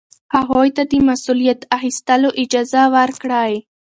هغوی ته د مسؤلیت اخیستلو اجازه ورکړئ.